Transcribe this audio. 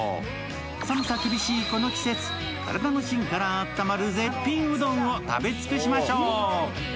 寒さ厳しいこの季節、体の芯から温まる絶品うどんを食べ尽くしましょう。